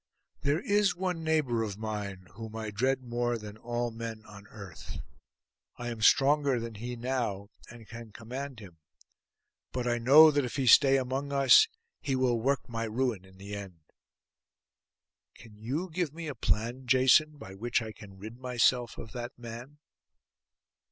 There is one neighbour of mine, whom I dread more than all men on earth. I am stronger than he now, and can command him; but I know that if he stay among us, he will work my ruin in the end. Can you give me a plan, Jason, by which I can rid myself of that man?